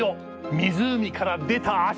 湖から出た脚！